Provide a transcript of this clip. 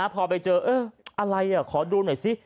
พอไปเจออะไรขอดูหน่อยซิ